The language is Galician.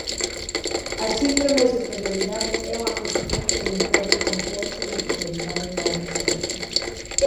A síndrome de superioridade é unha consecuencia dun previo complexo de inferioridade mal resolto.